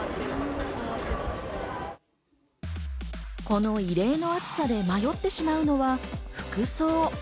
この異例の暑さで迷ってしまうのは服装。